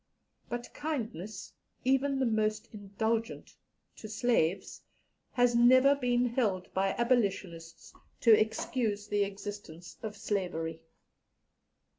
But kindness, even the most indulgent, to slaves, has never been held by abolitionists to excuse the existence of slavery.